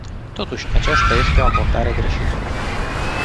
Totuși, aceasta este o abordare greșită.